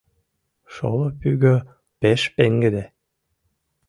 Шоло пӱгӧ пеш пеҥгыде